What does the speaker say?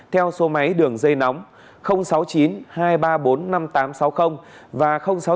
theo số máy đường dây nóng sáu mươi chín hai trăm ba mươi bốn năm nghìn tám trăm sáu mươi và sáu mươi chín hai trăm ba mươi một một nghìn sáu trăm bảy